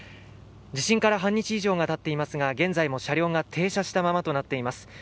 地震から半日以上が経っていますが現在も車両が停車したままとなっています。